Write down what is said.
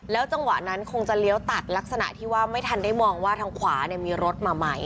จังหวะนั้นคงจะเลี้ยวตัดลักษณะที่ว่าไม่ทันได้มองว่าทางขวามีรถมาใหม่